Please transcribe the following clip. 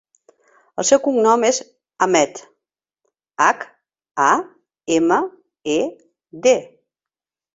El seu cognom és Hamed: hac, a, ema, e, de.